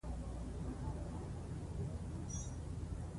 د تفاهم فضا رامنځته کړو.